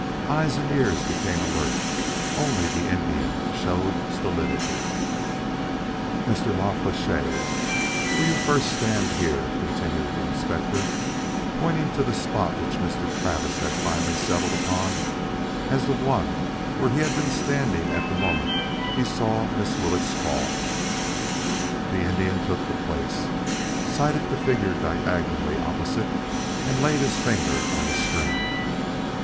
Eyes and ears became alert; only the Indian showed stolidity. "Mr. La Flèche, you will first stand here," continued the Inspector, pointing to the spot which Mr. Travis had finally settled upon as the one where he had been standing at the moment he saw Miss Willetts fall. The Indian took the place, sighted the figure diagonally opposite and laid his finger on the string.